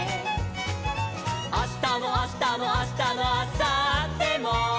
「あしたのあしたのあしたのあさっても」